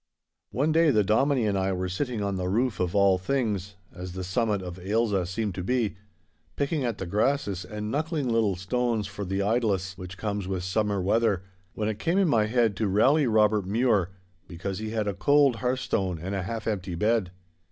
One day the Dominie and I were sitting on the roof of all things (as the summit of Ailsa seemed to be), picking at the grasses and knuckling little stones for the idlesse which comes with summer weather, when it came in my head to rally Robert Mure, because he had a cold hearthstone and a half empty bed.